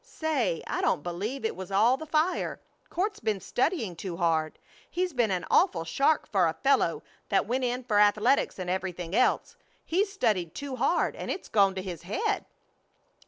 Say! I don't believe it was all the fire. Court's been studying too hard. He's been an awful shark for a fellow that went in for athletics and everything else. He's studied too hard and it's gone to his head!"